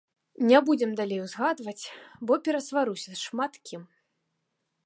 Не будзем далей узгадваць, бо перасваруся з шмат кім.